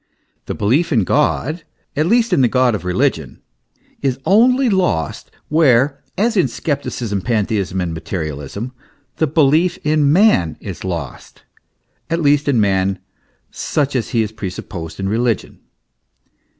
The belief in God at least in the God of religion 33 only lost where, as in scepticism, pantheism, and mate rialism, the belief in man is lost, at least in man such as he is presupposed in religion.